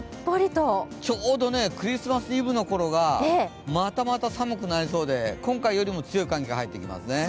ちょうどクリスマスイブの頃がまたまた寒くなりそうで今回よりも強い寒気が入ってきますね。